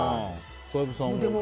小籔さんは？